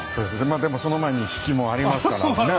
まあでもその前に比企もありますからね。